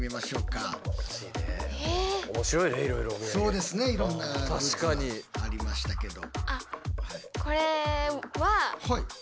そうですねいろんなグッズありましたけど。